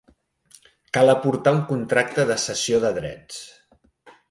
Cal aportar un contracte de cessió de drets.